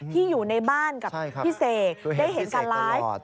อยู่ในบ้านกับพี่เสกได้เห็นการไลฟ์